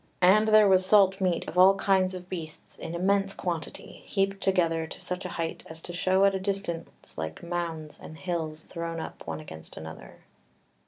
And there was salt meat of all kinds of beasts in immense quantity, heaped together to such a height as to show at a distance like mounds and hills thrown up one against another."